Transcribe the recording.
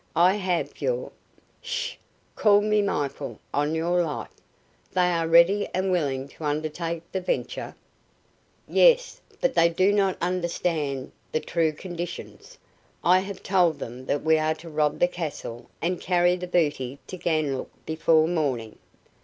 "I have, your " "Sh! Call me Michael, on your life! They are ready and willing to undertake the venture?" "Yes, but they do not understand the true conditions. I have told them that we are to rob the castle and carry the booty to Ganlook before morning."